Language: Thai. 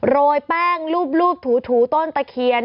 โรยแป้งรูปถูต้นตะเคียน